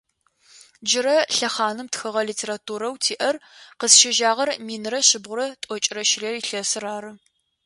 Джырэ лъэхъаным тхыгъэ литературэу тиӏэр къызщежьагъэр минрэ шъибгъурэ тӏокӏрэ щырэ илъэсыр ары.